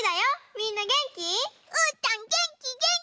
みんなげんき？